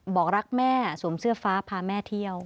บอกรักแม่สวมเสื้อฟ้าพาแม่เที่ยว